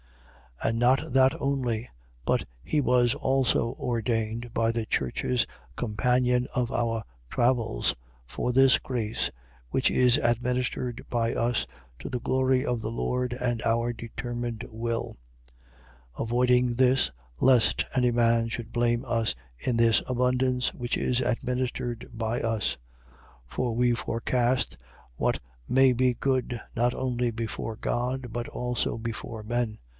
8:19. And not that only: but he was also ordained by the churches companion of our travels, for this grace, which is administered by us, to the glory of the Lord and our determined will: 8:20. Avoiding this, lest any man should blame us in this abundance which is administered by us. 8:21. For we forecast what may be good, not only before God but also before men.